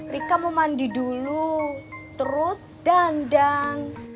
rika mau mandi dulu terus dandang